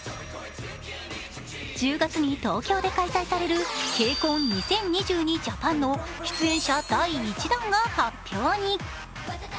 １０月に東京で開催される「ＫＣＯＮ２０２２ＪＡＰＡＮ」の出演者第１弾が発表に。